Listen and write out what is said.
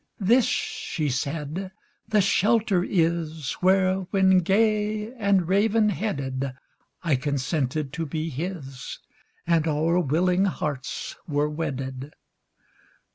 "This," she said, "the shelter is, Where, when gay and raven headed, I consented to be his, And our willing hearts were wedded.